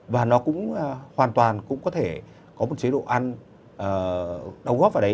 và nó cũng hoàn toàn cũng có thể có một chế độ ăn đóng góp vào đấy